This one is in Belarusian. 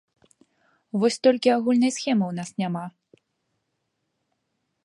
Вось толькі агульнай схемы ў нас няма!